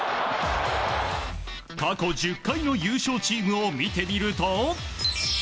過去１０回の優勝チームを見てみると。